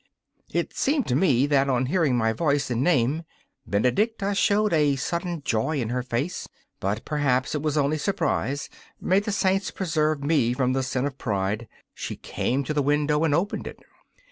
It seemed to me that, on hearing my voice and name, Benedicta showed a sudden joy in her face, but perhaps it was only surprise may the saints preserve me from the sin of pride. She came to the window and opened it.